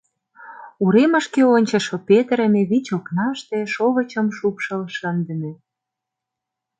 Уремышке ончышо петырыме вич окнаште шовычым шупшыл шындыме.